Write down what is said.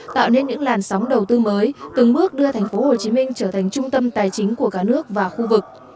tạo nên những làn sóng đầu tư mới từng bước đưa tp hcm trở thành trung tâm tài chính của cả nước và khu vực